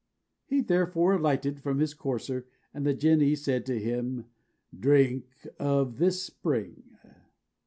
He therefore alighted from his courser, and the Jinnee said to him, "Drink of this spring."